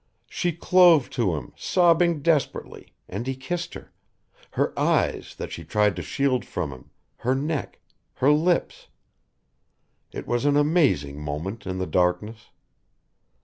She clove to him, sobbing desperately, and he kissed her, her eyes, that she tried to shield from him, her neck, her lips. It was an amazing moment in the darkness.